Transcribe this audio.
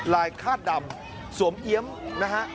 คาดดำสวมเอี๊ยมนะฮะ